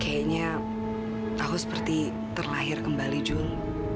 kayaknya aku seperti terlahir kembali jung